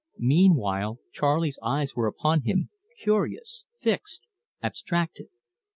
Meanwhile Charley's eyes were upon him, curious, fixed, abstracted.